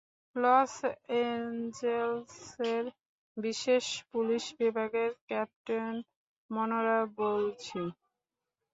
Loss এঞ্জেলসের বিশেষ police বিভাগের ক্যাপ্টেন মনরো বলছি।